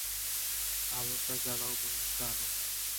আলােটা জ্বালাও বন্দুকটা আন!